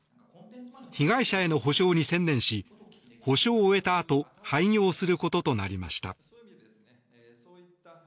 被害者への補償に専念し補償を終えたあと廃業することとなりました。